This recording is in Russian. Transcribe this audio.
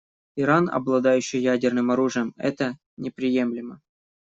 Иран, обладающий ядерным оружием, — это неприемлемо.